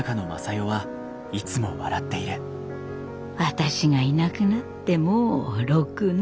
私がいなくなってもう６年。